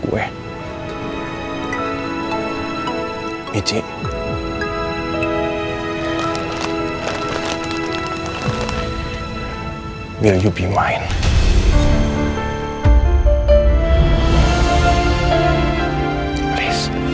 ketika dulu pertama kali